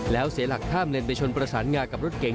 แล้วเสียหลักข้ามเลนไปชนประสานงากับรถเก่ง